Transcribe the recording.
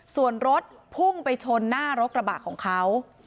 ส่วนรถพุ่งไปชนหน้ารถกระบะของเขา